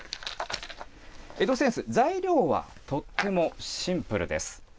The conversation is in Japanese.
江戸扇子、材料はとってもシンプルです。